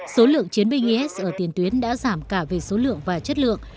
số lượng chiến binh is ở tiền tuyến đã giảm cả về số lượng và chất lượng